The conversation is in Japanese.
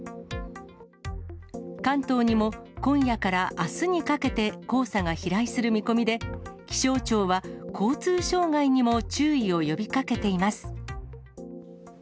関東にも今夜からあすにかけて、黄砂が飛来する見込みで、気象庁は交通障害にも注意を呼びかけています。